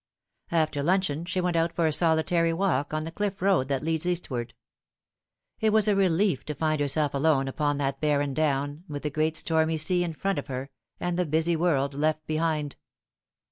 After luncheon she went out for a solitary walk on the cliff road that leads eastward. It was a relief to find herself alone upon that barren down, with the great stormy sea in front of her, and the busy world left behind.